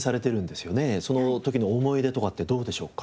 その時の思い出とかってどうでしょうか？